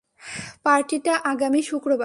পার্টিটা আগামী শুক্রবারে।